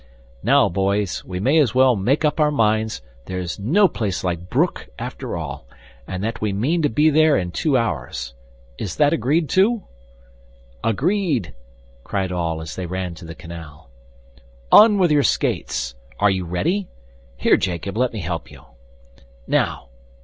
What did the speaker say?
"Now, boys, we may as well make up our minds, there's no place like Broek, after all and that we mean to be there in two hours. Is that agreed to?" "Agreed!" cried all as they ran to the canal. "On with your skates! Are you ready? Here, Jacob, let me help you." "Now.